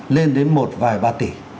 lên đến một vài ba tỷ